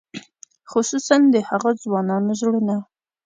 خصوصاً د هغو ځوانانو زړونه.